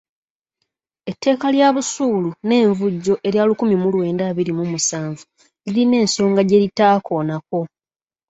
Etteeka lya busuulu n’envujjo erya lukumi mu lwenda abiri mu musanvu lirina ensonga gye litaakoonako.